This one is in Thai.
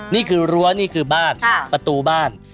นี่คือรั้วนี่คือบ้านประตูบ้าน